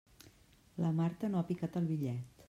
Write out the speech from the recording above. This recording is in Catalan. La Marta no ha picat el bitllet.